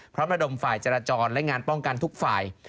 ระดมฝ่ายจราจรและงานป้องกันทุกฝ่าย